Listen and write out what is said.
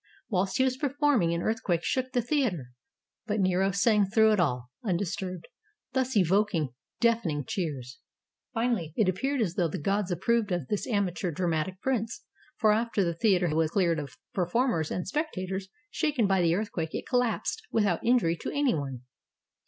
Whilst he was performing, an earthquake shook the theater, but Nero sang through it all, undisturbed, thus evoking deafening cheers. Finally, it appeared as though the gods approved of this amateur dramatic prince, for, after the theater was cleared of performers and spectators, shaken by the earthquake it collapsed without injury to any one.